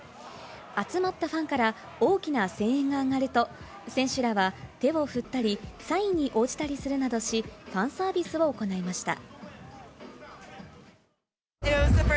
集まったファンから大きな声援が上がると選手らは手を振ったり、サインに応じたりするなどし、ファンサービスを行いました。